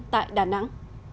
tại đà nẵng